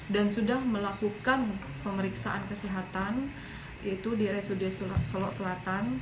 dan sudah melakukan pemeriksaan kesehatan di rsud solok selatan